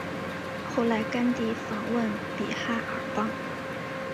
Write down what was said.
后来甘地访问比哈尔邦。